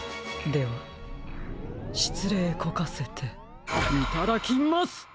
ではしつれいこかせていただきます！